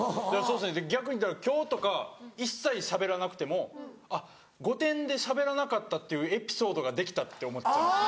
逆にだから今日とか一切しゃべらなくても「『御殿‼』でしゃべらなかったっていうエピソードができた」って思っちゃうんです。